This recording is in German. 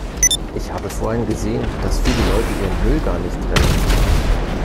Ich habe vorhin gesehen, dass viele Leute ihren Müll gar nicht trennen.